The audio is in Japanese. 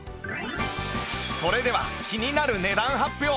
それでは気になる値段発表